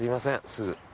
すぐ。